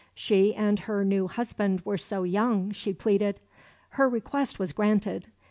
She and her new husband were so young, she pleaded. Her request was granted.